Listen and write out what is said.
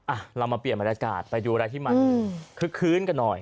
อ่ะเรามาเปลี่ยนบรรยากาศไปดูอะไรที่มันคึกคื้นกันหน่อย